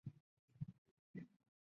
本条目专为云南定远而作。